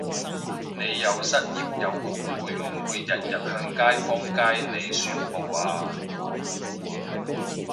你又失業又窮會唔會日日向街坊街里宣佈吖？